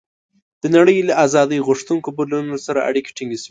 د نړۍ له آزادۍ غوښتونکو بدلونونو سره اړیکې ټینګې شوې.